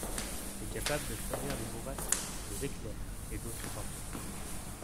Il est capable de produire des bourrasques, des éclairs et d'autres tempêtes.